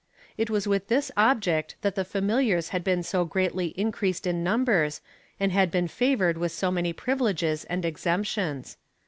It was with this object that the familiars had been so greatly increased in numbers and had been favored with so many privi leges and exemptions.